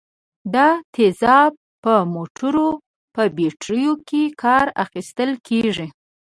دا تیزاب په موټرو په بټریو کې کار اخیستل کیږي.